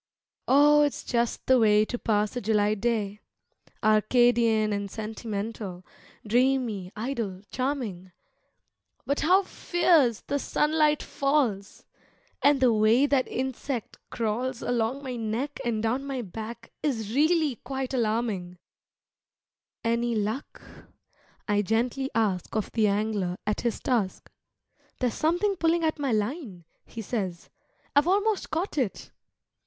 Oh, it's just the way to pass a July day, Arcadian and sentimental, dreamy, idle, charming, But how fierce the sunlight falls! and the way that insect crawls Along my neck and down my back is really quite alarming "Any luck?" I gently ask of the angler at his task, "There's something pulling at my line," he says; "I've almost caught it."